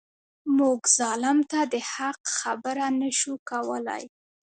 موږ ظالم ته د حق خبره نه شو کولای.